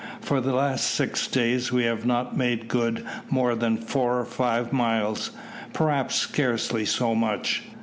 "For the last six days we have not made good more than four or five miles perhaps scarcely so much.